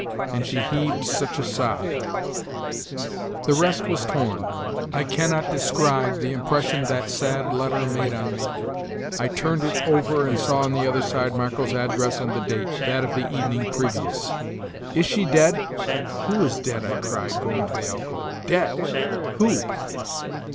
And she heaved such a sigh " The rest was torn. I can not describe the impression, that sad letter made on me; I turned it over and saw on the other side Marco's address and the date, that of the evening previous. "Is she dead? Who is dead?" I cried, going to the alcove. "Dead! Who?"